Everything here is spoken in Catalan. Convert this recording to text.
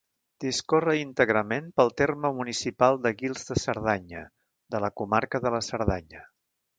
Discorre íntegrament pel terme municipal de Guils de Cerdanya, de la comarca de la Cerdanya.